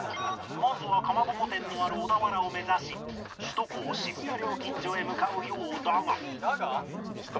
まずはかまぼこ店のある小田原を目指し首都高渋谷料金所へ向かうようだが